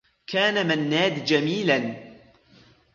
كان منّاد جميلا.